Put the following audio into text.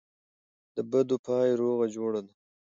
دبدو پای روغه جوړه ده.